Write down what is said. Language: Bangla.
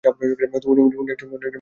উনি একজন ভালো মানুষই ছিলেন।